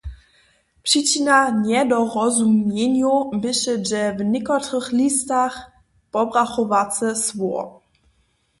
Přičina njedorozumjenjow běše dźe w někotrych listach pobrachowace słowo.